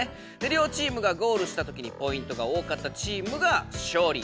両チームがゴールしたときにポイントが多かったチームが勝利！